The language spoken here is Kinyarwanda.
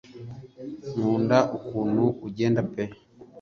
nkunda ukuntu agenda pe